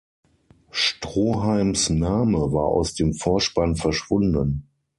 Stroheims Name war aus dem Vorspann verschwunden.